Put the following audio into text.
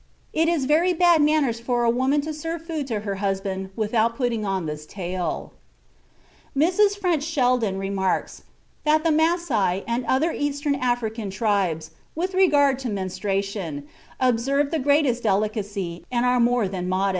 It is very bad manners for a woman to serve food to her husband without putting on this tail. (Sir H.H. Johnston, Uganda Protectorate, vol. ii, p. 781.) Mrs. French Sheldon remarks that the Masai and other East African tribes, with regard to menstruation, "observe the greatest delicacy, and are more than modest."